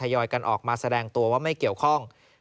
ยอยกันออกมาแสดงตัวว่าไม่เกี่ยวข้อง